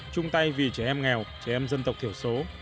chung tay vì trẻ em nghèo trẻ em dân tộc thiểu số